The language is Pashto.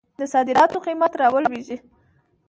د صادراتو قیمت رالویږي.